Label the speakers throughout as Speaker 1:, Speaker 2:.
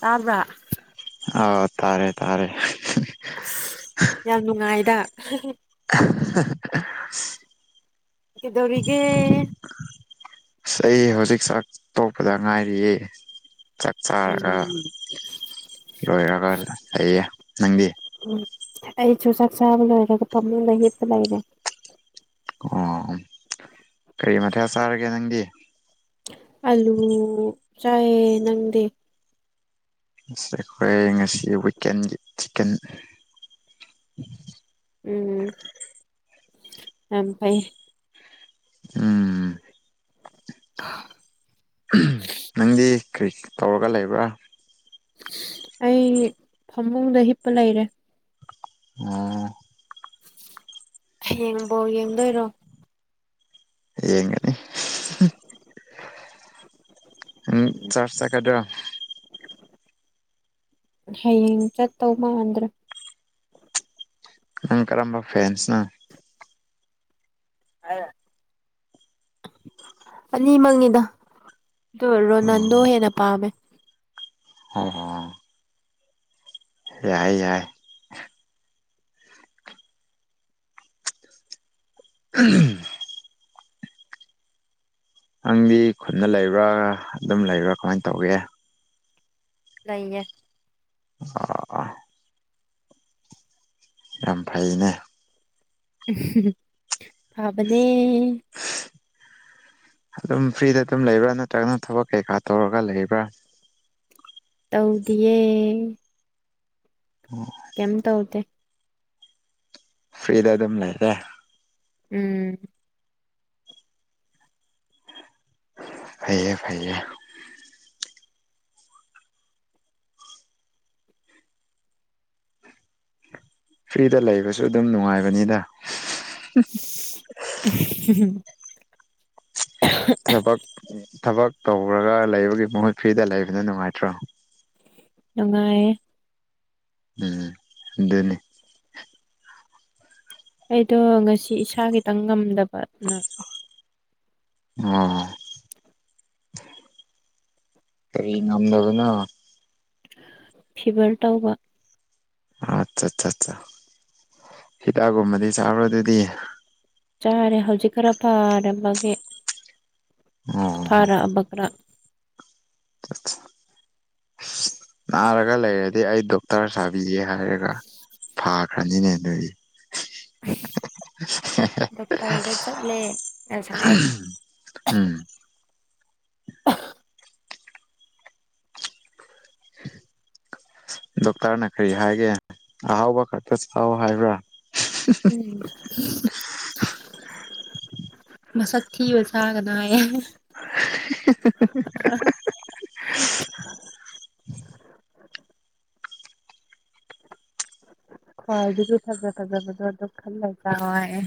Speaker 1: ꯇꯥꯕ꯭ꯔꯥ꯫
Speaker 2: ꯑꯥꯎ ꯇꯥꯔꯦ ꯇꯥꯔꯦ꯫
Speaker 1: ꯑꯁ ꯌꯥꯝ ꯅꯨꯡꯉꯥꯏꯗ꯫
Speaker 2: [unintelligible]
Speaker 1: ꯗꯧꯔꯤꯒꯦ꯫
Speaker 2: ꯑꯁ ꯑꯩ ꯍꯧꯖꯤꯛ ꯆꯥꯛ ꯇꯣꯛꯄꯗ ꯉꯥꯏꯔꯤꯌꯦ꯫ ꯆꯥꯛ ꯆꯥꯔꯒ
Speaker 1: ꯎꯝ
Speaker 2: ꯂꯣꯏꯔꯒ ꯂꯩꯌꯦ ꯅꯪꯗꯤ꯫
Speaker 1: ꯎꯝ ꯑꯩꯁꯨ ꯆꯥꯛ ꯆꯥꯕ ꯂꯣꯏꯔꯒ ꯐꯝꯃꯨꯡꯗ ꯍꯤꯞꯄ ꯂꯩꯔꯦ꯫
Speaker 2: ꯑꯣ ꯀꯔꯤ ꯃꯊꯦꯜ ꯆꯥꯔꯒꯦ ꯅꯪꯗꯤ
Speaker 1: ꯑꯂꯨ ꯆꯥꯏꯌꯦ ꯅꯪꯗꯤ
Speaker 2: ꯑꯁꯤ ꯑꯩꯈꯣꯏ ꯉꯁꯤ ꯋꯤꯛꯀꯦꯟꯒꯤ ꯆꯤꯀꯟ
Speaker 1: ꯎꯝ ꯌꯥꯝ ꯐꯩ
Speaker 2: ꯎꯝ
Speaker 1: [unintelligible]
Speaker 2: ꯅꯪꯗꯤ ꯀ꯭ꯔꯤ ꯇꯧꯔꯒ ꯂꯩꯕ꯭ꯔꯥ
Speaker 1: ꯑꯩ ꯐꯃꯨꯡꯗ ꯍꯤꯞꯄ ꯂꯩꯔꯦ
Speaker 2: ꯑꯣ
Speaker 1: ꯍꯌꯦꯡ ꯕꯣꯜ ꯌꯦꯡꯗꯣꯏꯔꯣ
Speaker 2: ꯌꯦꯡꯒꯅꯤ ꯎꯝ ꯆꯥꯔꯁ ꯆꯠꯀꯗ꯭ꯔ
Speaker 1: ꯍꯌꯦꯡ ꯆꯠꯇꯧ ꯃꯥꯟꯗ꯭ꯔꯦ
Speaker 2: ꯅꯪ ꯀꯔꯝꯕ ꯐꯦꯟꯁꯅꯣ
Speaker 1: [unintelligible] ꯑꯅꯤꯃꯛꯅꯤꯗ ꯑꯗꯣ ꯔꯣꯅꯥꯟꯗꯣ
Speaker 2: ꯑꯣ
Speaker 1: ꯍꯦꯟꯅ ꯄꯥꯝꯃꯦ
Speaker 2: [unintelligible] ꯌꯥꯏ ꯌꯥꯏ [unintelligible] ꯅꯪꯗꯤ ꯈꯨꯟꯗ ꯂꯩꯕ꯭ꯔꯥ ꯑꯗꯨꯝ ꯂꯩꯕ꯭ꯔꯥ ꯀꯃꯥꯏꯟ ꯇꯧꯋꯤ
Speaker 1: ꯂꯩꯌꯦ
Speaker 2: [unintelligible] ꯌꯥꯝ ꯐꯩꯅꯦ
Speaker 1: ꯐꯥꯕꯅꯦ
Speaker 2: ꯑꯗꯨꯝ ꯐ꯭ꯔꯤꯗ ꯑꯗꯨꯝ ꯂꯩꯕ꯭ꯔꯥ ꯅꯠꯇ꯭ꯔꯒꯅ ꯊꯕꯛ ꯀꯩꯀꯥ ꯇꯧꯔꯒ ꯂꯩꯕ꯭ꯔꯥ
Speaker 1: ꯇꯧꯗꯤꯌꯦ
Speaker 2: ꯑꯣ
Speaker 1: ꯀꯩꯝ ꯇꯧꯗꯦ
Speaker 2: ꯐ꯭ꯔꯤꯗ ꯑꯗꯨꯝ ꯂꯩꯔꯦ
Speaker 1: ꯎꯝ
Speaker 2: ꯐꯩꯌꯦ ꯐꯩꯌꯦ ꯐ꯭ꯔꯤꯗ ꯂꯩꯕꯁꯨ ꯑꯗꯨꯝ ꯅꯨꯡꯉꯥꯏꯕꯅꯤꯅ
Speaker 1: [unintelligible]
Speaker 2: ꯊꯕꯛ ꯊꯕꯛ ꯇꯧꯔꯒ ꯂꯩꯕꯒꯤ ꯃꯍꯨꯠ ꯐ꯭ꯔꯤꯗ ꯂꯩꯕꯅ ꯅꯨꯡꯉꯥꯏꯇ꯭ꯔꯣ
Speaker 1: ꯅꯨꯡꯉꯥꯏꯌꯦ
Speaker 2: ꯎꯝ ꯑꯗꯨꯅꯤ
Speaker 1: ꯑꯩꯗꯣ ꯉꯁꯤ ꯏꯁꯥ ꯈꯤꯇꯪ ꯉꯝꯗꯕ ꯑꯗꯨꯅ
Speaker 2: ꯑꯣ ꯀꯔꯤ ꯉꯝꯗꯕꯅꯣ
Speaker 1: ꯐꯤꯚꯔ ꯇꯧꯕ
Speaker 2: ꯑꯠꯆꯥ ꯆꯥ ꯆꯥ ꯍꯤꯗꯥꯛꯀꯨꯝꯕꯗꯤ ꯆꯥꯕ꯭ꯔꯣ ꯑꯗꯨꯗꯤ
Speaker 1: ꯆꯥꯔꯦ ꯍꯧꯖꯤꯛ ꯈꯔ ꯐꯥꯔꯕꯒꯤ
Speaker 2: ꯑꯣ
Speaker 1: ꯐꯥꯔꯛ ꯑꯕ ꯈꯔ
Speaker 2: ꯑꯁ ꯅꯥꯔꯒ ꯂꯩꯔꯗꯤ ꯑꯩ ꯗꯣꯛꯇꯔ ꯁꯥꯕꯤꯒꯦ ꯍꯥꯏꯔꯒ ꯐꯥꯈ꯭ꯔꯥꯅꯤꯅꯦ ꯑꯗꯨꯗꯤ
Speaker 1: ꯗꯣꯛꯇꯔꯗ ꯆꯠꯂꯦ ꯉꯁꯥꯏ
Speaker 2: ꯎꯝ ꯗꯣꯛꯇꯔꯅ ꯀꯔꯤ ꯍꯥꯏꯒꯦ ꯑꯍꯥꯎꯕ ꯈꯛꯇ ꯆꯎ ꯍꯥꯏꯕ꯭ꯔꯥ
Speaker 1: ꯎꯝ [unintelligible] ꯃꯁꯛ ꯊꯤꯕ ꯆꯥꯒꯅꯣ ꯍꯥꯏꯌꯦ ꯍꯣꯏ ꯑꯗꯨꯗꯤ ꯐꯖ ꯐꯖꯥ ꯐꯖꯕꯗꯣ ꯑꯗꯨ ꯈꯜꯂ ꯆꯥꯎ ꯍꯥꯏꯔꯛꯑꯦ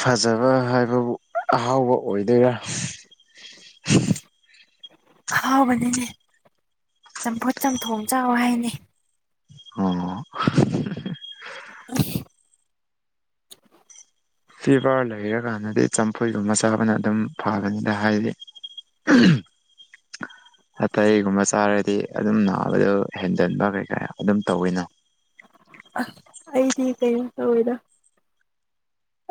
Speaker 2: ꯐꯖꯕ ꯍꯥꯏꯕꯕꯨ ꯑꯍꯥꯎꯕ ꯑꯣꯏꯗꯣꯏꯔꯥ
Speaker 1: ꯑꯍꯥꯎꯕꯅꯤꯅꯦ ꯆꯝꯐꯨꯠ ꯆꯝꯊꯣꯡ ꯆꯥꯎꯋ ꯍꯥꯏꯅꯤ
Speaker 2: ꯑꯣ
Speaker 1: ꯑ [unintelligible]
Speaker 2: ꯐꯤꯚꯔ ꯂꯩꯔꯀꯥꯟꯗꯗꯤ ꯆꯝꯐꯨꯠꯒꯨꯝꯕ ꯆꯥꯕꯅ ꯑꯗꯨꯝ ꯐꯕꯅꯤꯗ ꯍꯥꯏꯗꯤ [unintelligible] ꯑꯇꯩꯒꯨꯝꯕ ꯆꯥꯔꯗꯤ ꯑꯗꯨꯝ ꯅꯥꯕꯗꯣ ꯍꯦꯟꯖꯟꯕ ꯀꯩꯀꯥ ꯑꯗꯨꯝ ꯇꯧꯋꯤꯅ
Speaker 1: ꯑ ꯑꯩꯗꯤ ꯀꯩꯅꯣ ꯇꯧꯏꯗ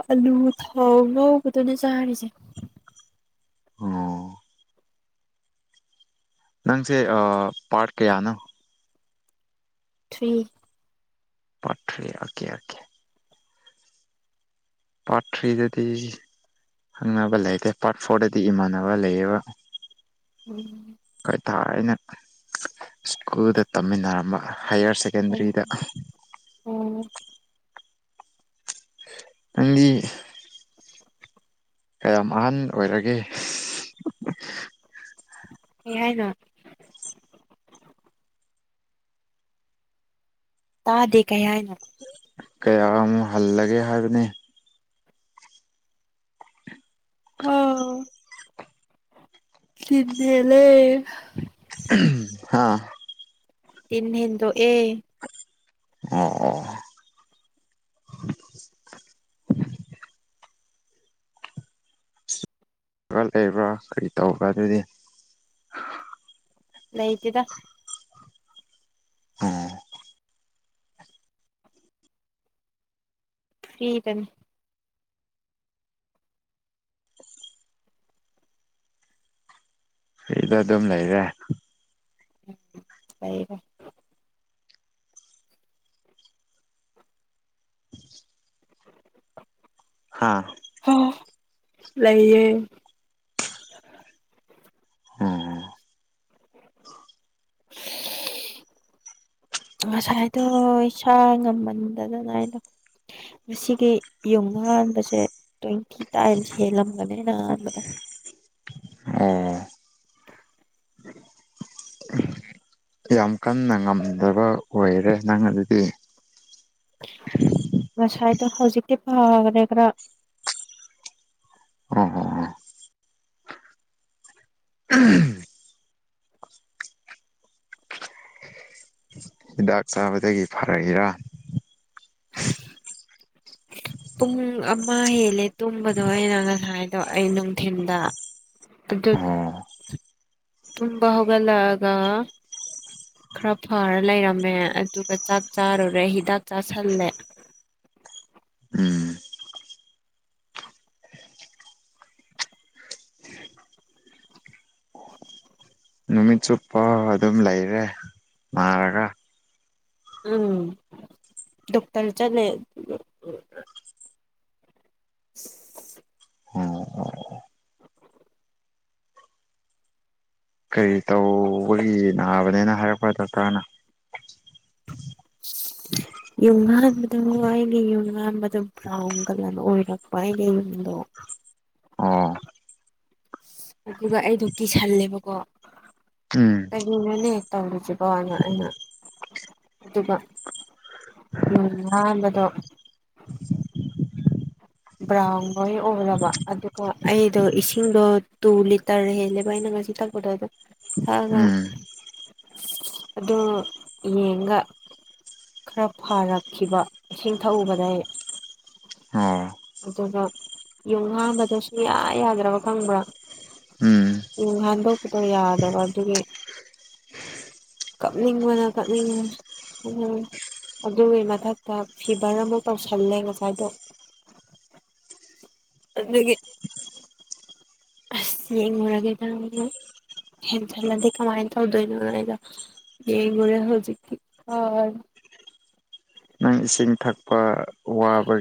Speaker 1: ꯑꯥꯂꯨ ꯊꯥꯎ ꯉꯧꯕꯗꯨꯅ ꯆꯥꯔꯤꯁꯦ
Speaker 2: ꯑꯣ ꯅꯪꯁꯦ ꯄꯥꯔꯠ ꯀꯌꯥꯅꯣ
Speaker 1: three
Speaker 2: part three okay okay part ꯊ꯭ꯔꯤꯗꯗꯤ ꯈꯪꯅꯕ ꯂꯩꯇꯦ ꯄꯥꯔꯠ ꯐꯣꯔꯗꯗꯤ ꯏꯃꯥꯟꯅꯕ ꯂꯩꯌꯦꯕ
Speaker 1: ꯎꯝ [unintelligible]
Speaker 2: ꯑꯩꯈꯣꯏ ꯊꯥꯏꯅ ꯁ꯭ꯀꯨꯜꯗ ꯇꯝꯃꯤꯟꯅꯔꯝꯕ ꯍꯥꯏꯌꯔ
Speaker 1: ꯑꯣ
Speaker 2: ꯁꯦꯀꯦꯟꯗꯔꯤꯗ
Speaker 1: ꯑꯣ
Speaker 2: ꯅꯪꯗꯤ ꯀꯌꯥꯝ ꯑꯍꯟ ꯑꯣꯏꯔꯒꯦ
Speaker 1: ꯀꯩꯍꯥꯏꯅꯣ ꯇꯥꯗꯦ ꯀꯩ ꯍꯥꯏꯅꯣ
Speaker 2: ꯀꯌꯥ ꯑꯃꯨꯛ ꯍꯜꯂꯒꯦ ꯍꯥꯏꯕꯅꯦ
Speaker 1: ꯑꯣ [unintelligible] ꯍꯦꯟꯂꯩ
Speaker 2: ꯍꯥꯥ
Speaker 1: ꯇꯤꯟ ꯍꯦꯟꯗꯣꯛ ꯑꯦ
Speaker 2: ꯑꯣ ꯑꯣ ꯈ ꯂꯩꯕ꯭ꯔꯥ ꯀꯔꯤ ꯇꯧꯕ꯭ꯔꯥ ꯑꯗꯨꯗꯤ
Speaker 1: ꯂꯩ ꯂꯩꯇꯗ
Speaker 2: ꯎꯝ
Speaker 1: ꯐ꯭ꯔꯤꯇꯅꯤ
Speaker 2: ꯐ꯭ꯔꯤꯗ ꯑꯗꯨꯝ ꯂꯩ ꯂꯩꯔꯦ
Speaker 1: ꯂꯩꯔꯦ
Speaker 2: ꯍꯥꯥ
Speaker 1: ꯑꯣ ꯂꯩꯌꯦ
Speaker 2: ꯑꯣ ꯑꯣ
Speaker 1: ꯉꯁꯥꯏꯗꯣ ꯏꯁꯥ ꯉꯝꯃꯟꯗꯗꯅ ꯑꯩꯗꯣ ꯉꯁꯤꯒꯤ ꯌꯨꯝ ꯑꯥꯟꯕꯁꯦ ꯇ꯭ꯋꯦꯟꯇꯤ ꯇꯥꯏꯝꯁ ꯍꯦꯜꯂꯝꯒꯅꯦꯅ ꯑꯩꯅꯥ ꯍꯥꯟꯕꯗꯣ
Speaker 2: ꯑꯣ ꯌꯥꯝ ꯀꯟꯅ ꯉꯝꯗꯕ ꯑꯣꯏꯔꯦ ꯅꯪ ꯑꯗꯨꯗꯤ
Speaker 1: ꯉꯁꯥꯏꯗꯣ ꯍꯧꯖꯤꯛꯇꯤ ꯐꯈ꯭ꯔꯦ ꯈꯔ
Speaker 2: ꯍꯣꯏ- ꯍꯣꯏ- ꯍꯣꯏ ꯍꯤꯗꯥꯛ ꯆꯥꯕꯗꯒꯤ ꯐꯔꯛꯏꯔꯥ
Speaker 1: ꯄꯨꯡ ꯑꯃ ꯍꯦꯜꯂꯦ ꯇꯨꯝꯕꯗꯣ ꯑꯩꯅ ꯉꯁꯥꯏꯗꯣ ꯑꯩ ꯅꯨꯡꯊꯤꯟꯗ ꯑꯗꯨ
Speaker 2: ꯑꯣ
Speaker 1: ꯇꯨꯝꯕ ꯍꯧꯒꯠꯂꯛꯑꯒ ꯈꯔ ꯐꯔ ꯂꯩꯔꯝꯃꯦ ꯑꯗꯨꯒ ꯆꯥꯛ ꯆꯥꯔꯨꯔꯦ ꯍꯤꯗꯥꯛ ꯆꯥꯥꯁꯤꯜꯂꯦ
Speaker 2: ꯎꯝ ꯅꯨꯃꯤꯠ ꯆꯨꯞꯄ ꯑꯗꯨꯝ ꯂꯩꯔꯦ ꯅꯥꯔꯒ
Speaker 1: ꯎꯝ ꯗꯣꯛꯇꯔ ꯆꯠꯂꯦ [unintelligible]
Speaker 2: ꯑꯣ ꯑꯣ ꯀꯔꯤ ꯇꯧꯕꯒꯤ ꯅꯥꯕꯅꯦꯅ ꯍꯥꯏꯔꯛꯄ꯭ꯔ ꯗꯣꯛꯇꯔꯅ ꯎꯝ [unintelligible]
Speaker 1: ꯌꯨꯡꯍꯥꯟꯕꯗꯣ ꯑꯩꯒꯤ ꯌꯨꯡꯍꯥꯟꯕꯗꯣ ꯕ꯭ꯔꯥꯎꯟ ꯀꯂꯔꯅ ꯑꯣꯏꯔꯛꯄ ꯑꯩꯒꯤ ꯌꯨꯝꯗꯣ
Speaker 2: ꯑꯣ
Speaker 1: ꯑꯗꯨꯒ ꯑꯩꯗꯣ ꯀꯤꯁꯜꯂꯦꯕꯀꯣ
Speaker 2: ꯎꯝ
Speaker 1: ꯀꯩꯒꯤꯅꯣꯅꯦ ꯇꯧꯔꯤꯁꯤꯕꯣꯅ ꯑꯩꯅ ꯑꯗꯨꯒ ꯌꯨꯟꯍꯥꯟꯕꯗꯣ ꯕ꯭ꯔꯥꯎꯟ ꯂꯣꯏ ꯑꯣꯏꯔꯕ ꯑꯗꯨꯒ ꯑꯩꯗꯣ ꯏꯁꯤꯡꯗꯣ ꯇꯨ ꯂꯤꯇꯔ ꯍꯦꯜꯂꯦꯕ ꯑꯩꯅ ꯉꯁꯤ ꯊꯛ ꯄꯗꯣ ꯑꯗꯨꯝ ꯊꯛꯑꯒ
Speaker 2: ꯎꯝ
Speaker 1: ꯑꯗꯣ ꯌꯦꯡꯒ ꯈꯔ ꯐꯔꯛꯈꯤꯕ ꯏꯁꯤꯡ ꯊꯛꯎꯕꯗꯩ
Speaker 2: ꯎꯝ
Speaker 1: ꯑꯗꯨꯒ ꯌꯨꯡ ꯍꯥꯟꯕꯗꯣ ꯁꯨꯡꯌꯥ ꯌꯥꯗ꯭ꯔꯕ ꯈꯪꯕ꯭ꯔꯥ
Speaker 2: ꯎꯝ
Speaker 1: ꯌꯨꯡ ꯍꯥꯟꯗꯣꯛꯄꯗꯣ ꯌꯥꯗꯕ ꯑꯗꯨꯒꯤ ꯀꯞꯅꯤꯡꯕꯅ- ꯀꯞꯅꯤꯡꯕꯅ ꯎꯝ ꯑꯗꯨꯒꯤ ꯃꯊꯛꯇ ꯐꯤꯚꯔ ꯑꯃꯨꯛ ꯇꯧꯁꯜꯂꯦ ꯉꯁꯥꯏꯗꯣ ꯑꯗꯒꯤ ꯑꯁ ꯌꯦꯡꯂꯨꯔꯒꯦꯗ ꯍꯥꯏꯅ ꯍꯦꯟꯖꯜꯂꯗꯤ ꯀꯃꯥꯏ ꯇꯧꯗꯣꯏꯅꯣꯅ ꯑꯩꯗꯣ ꯌꯦꯡꯉꯨꯔꯦ ꯍꯧꯖꯤꯛꯇꯤ ꯐꯔꯦ
Speaker 2: ꯅꯪ ꯏꯁꯤꯡ ꯊꯛꯄ ꯋꯥꯕ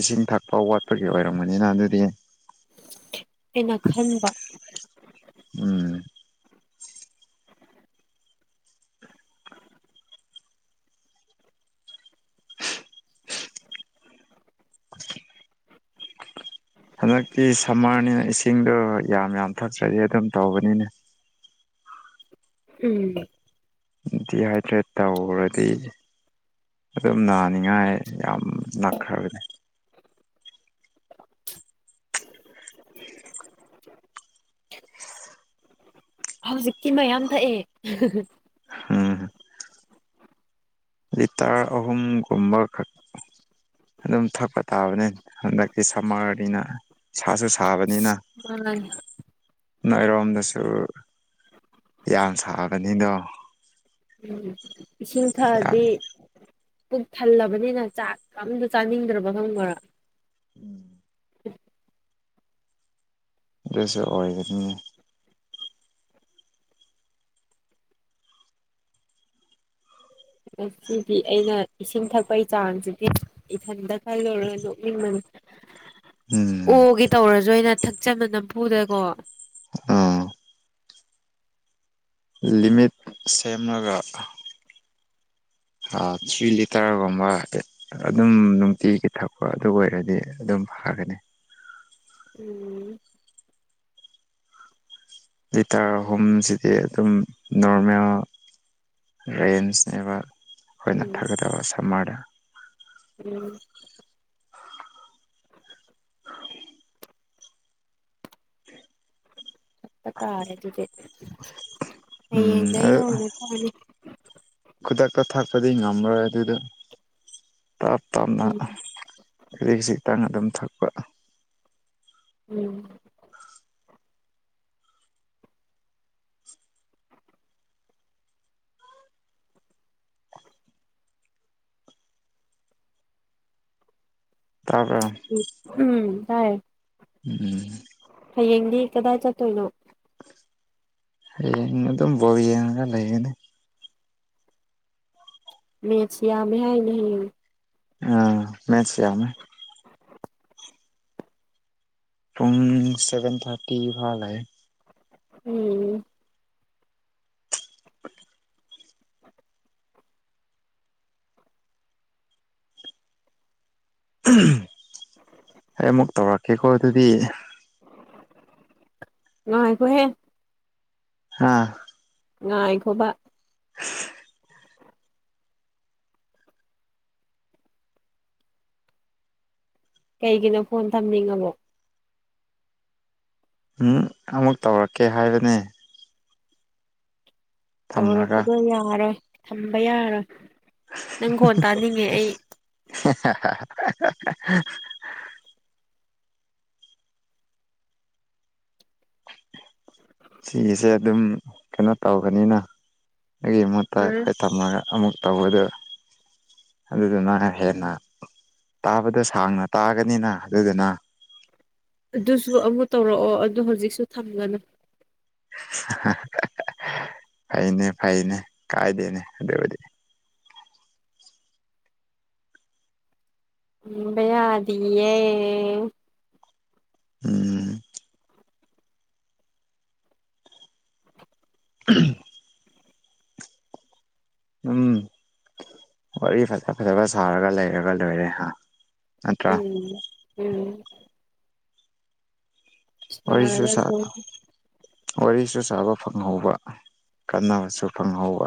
Speaker 2: ꯏꯁꯤꯡ ꯊꯛꯄ ꯋꯥꯠꯄꯒꯤ ꯑꯣꯏꯔꯝꯒꯅꯤꯅ ꯑꯗꯨꯗꯤ
Speaker 1: ꯑꯩꯅ ꯈꯟꯕ
Speaker 2: ꯎꯝ ꯍꯟꯗꯛꯇꯤ ꯁꯝꯃꯔꯅꯤꯅ ꯏꯁꯤꯡꯗꯣ ꯌꯥꯝ ꯌꯥꯝ ꯊꯛꯇ꯭ꯔꯗꯤ ꯑꯗꯨꯝ ꯇꯧꯕꯅꯤꯅꯦ
Speaker 1: ꯎꯝ
Speaker 2: ꯗꯤꯍꯥꯏꯗ꯭ꯔꯦꯠ ꯇꯧꯔꯗꯤ ꯑꯗꯨꯝ ꯅꯥꯅꯤꯡꯉꯥꯏ ꯌꯥꯝ ꯅꯛꯈ꯭ꯔꯕꯅꯤ [unintelligible]
Speaker 1: ꯍꯧꯖꯤꯛꯇꯤ ꯃꯌꯥꯝ ꯊꯛꯑꯦ
Speaker 2: ꯎꯝ ꯂꯤꯇꯔ ꯑꯍꯨꯝꯒꯨꯝꯕ ꯈꯛ ꯑꯗꯨꯝ ꯊꯛꯄ ꯇꯥꯕꯅꯤ ꯍꯟꯗꯛꯇꯤ ꯁꯝꯃꯔꯅꯤꯅ ꯁꯥꯁꯨ ꯁꯥꯕꯅꯤꯅ
Speaker 1: ꯃꯥꯅꯦ
Speaker 2: ꯅꯣꯏꯔꯣꯝꯗꯁꯨ ꯌꯥꯝ ꯁꯥꯕꯅꯤꯗꯣ
Speaker 1: ꯎꯝ ꯏꯁꯤꯡ
Speaker 2: ꯌꯥꯝ
Speaker 1: ꯊꯛꯑꯗꯤ ꯄꯨꯛ ꯊꯜꯂꯕꯅꯤꯅ ꯆꯥꯛ ꯑꯝꯇ ꯆꯥꯅꯤꯡꯗ꯭ꯔꯕ ꯈꯪꯕ꯭ꯔ [unintelligible]
Speaker 2: ꯑꯗꯨꯁꯨ ꯑꯣꯏꯗꯨꯅꯦ
Speaker 1: ꯉꯁꯤꯗꯤ ꯑꯩꯅ ꯏꯁꯤꯡ ꯊꯛꯄꯒꯤ ꯆꯥꯡꯁꯤꯗꯤ ꯏꯊꯟꯇ ꯀꯜꯂꯨꯔꯒ ꯅꯣꯛꯅꯤꯡꯃꯅꯤ
Speaker 2: ꯎꯝ
Speaker 1: ꯑꯣꯒꯤ ꯇꯧꯔꯁꯨ ꯑꯩꯅ ꯊꯛꯆꯕ ꯅꯝꯐꯨꯗꯀꯣ
Speaker 2: ꯑꯥ ꯂꯤꯃꯤꯠ ꯁꯦꯝꯂꯒ ꯊꯔ꯭ꯤ ꯂꯤꯇꯔꯒꯨꯝꯝꯕ ꯑꯗꯨꯝ ꯅꯨꯡꯇꯤꯒꯤ ꯊꯛꯄ ꯑꯗꯨ ꯑꯣꯏꯔꯗꯤ ꯑꯗꯨꯝ ꯐꯒꯅꯤ
Speaker 1: ꯎꯝ
Speaker 2: ꯂꯤꯇꯔ ꯑꯍꯨꯝꯁꯤꯗꯤ ꯑꯗꯨꯝ ꯅꯣꯔꯃꯦꯜ ꯔꯦꯟꯁꯅꯦꯕ ꯑꯩꯈꯣꯏꯅ
Speaker 1: ꯎꯝ
Speaker 2: ꯊꯥꯒꯗꯕ ꯁꯝꯃꯔꯗ
Speaker 1: ꯎꯝ ꯄꯇꯥꯔꯦ ꯑꯗꯨ
Speaker 2: ꯎꯝ ꯑꯗꯨ
Speaker 1: ꯍꯧꯅ [unintelligible] [inaudible]
Speaker 2: ꯈꯨꯗꯛꯇ ꯊꯥꯛꯄꯗꯤ ꯉꯝꯃꯔꯣꯏ ꯑꯗꯨꯗ ꯇꯥꯞ ꯇꯥꯞꯅ
Speaker 1: ꯎꯝ
Speaker 2: ꯏꯖꯤꯛ ꯍꯧꯖꯤ ꯇꯪ ꯑꯗꯨꯝ ꯊꯛꯄ
Speaker 1: ꯎꯝ
Speaker 2: ꯇꯥꯕ꯭ꯔ
Speaker 1: ꯎꯝ ꯇꯥꯏꯌꯦ
Speaker 2: ꯎꯝ
Speaker 1: ꯍꯌꯦꯡꯗꯤ ꯀꯗꯥꯏ ꯆꯠꯇꯣꯏꯅꯣ
Speaker 2: ꯍꯌꯦꯡꯅ ꯑꯗꯨꯝ ꯕꯣꯜ ꯌꯦꯡꯉꯒ ꯂꯩꯒꯅꯤ
Speaker 1: ꯃꯦꯠꯁ ꯌꯥꯝꯃꯦ ꯍꯥꯏꯅꯦ ꯍꯌꯦꯡ
Speaker 2: ꯑꯥ ꯃꯦꯠꯁ ꯌꯥꯝꯃꯦ ꯄꯨꯡ ꯁꯚꯦꯟ ꯊꯥꯔꯇꯤ ꯐꯥꯎ ꯂꯩ
Speaker 1: ꯎꯝ
Speaker 2: ꯑꯩ ꯑꯃꯨꯛ ꯇꯧꯔꯛꯀꯦꯀꯣ ꯑꯗꯨꯗꯤ
Speaker 1: ꯉꯥꯏꯈꯣꯍꯦ
Speaker 2: ꯍꯥꯥ
Speaker 1: ꯉꯥꯏꯈꯣꯕ
Speaker 2: [inaudible] [unintelligible]
Speaker 1: ꯀꯩꯒꯤꯅꯣ ꯐꯣꯟ ꯊꯝꯅꯤꯡꯉꯕꯣ
Speaker 2: ꯎꯝ ꯑꯃꯨꯛ ꯇꯧꯔꯛꯀꯦ ꯍꯥꯏꯕꯅꯦ ꯊꯝꯃꯒ
Speaker 1: ꯌꯧꯔꯛꯄꯗꯣ ꯌꯥꯔꯣꯏ ꯊꯝꯕ ꯌꯥꯔꯣꯏ ꯅꯪ ꯈꯣꯟ ꯇꯥꯅꯤꯡꯉꯦ ꯑꯩ
Speaker 2: [unintelligible] [unintelligible] ꯁꯤꯒꯤꯁꯦ ꯑꯗꯨꯝ ꯀꯩꯅꯣ ꯇꯧꯕꯅꯤꯅ ꯑꯩꯒꯤ ꯃꯍꯨꯠꯇ
Speaker 1: ꯎꯝ
Speaker 2: ꯊꯝꯃꯒ ꯑꯃꯨꯛ ꯇꯧꯕꯗꯣ ꯑꯗꯨꯗꯨꯅ ꯍꯦꯟꯅ ꯇꯥꯕꯗ ꯁꯥꯡꯅ ꯇꯥꯒꯅꯤꯅ ꯑꯗꯨꯗꯨꯅ
Speaker 1: ꯑꯗꯨꯁꯨ ꯑꯃꯨꯛ ꯇꯧꯔꯛꯑꯣ ꯑꯗꯣ ꯍꯧꯖꯤꯛꯁꯨ ꯊꯝꯒꯅꯨ
Speaker 2: ꯐꯩꯅꯦ ꯐꯩꯅꯦ ꯀꯥꯏꯗꯦꯅꯦ ꯑꯗꯨꯕꯨꯗꯤ
Speaker 1: ꯊꯝꯕꯥ ꯌꯥꯗꯤꯌꯦ
Speaker 2: ꯎꯝ ꯎꯝ ꯎꯝ ꯋꯥꯔꯤ ꯐꯖ ꯐꯖꯕ ꯁꯥꯔꯒ ꯂꯩꯔꯒ ꯂꯣꯏꯔꯦ ꯍꯥ ꯅꯠꯇ꯭ꯔꯥ
Speaker 1: ꯎꯝ ꯎꯝ
Speaker 2: ꯋꯥꯔꯤꯁꯨ
Speaker 1: ꯁꯥꯔꯒ
Speaker 2: ꯁꯥ
Speaker 1: ꯂꯣꯏ
Speaker 2: ꯋꯥꯔꯤꯁꯨ ꯁꯥꯕ ꯐꯪꯍꯧꯕ ꯀꯥꯟꯅꯕꯁꯨ ꯐꯪꯍꯧꯕ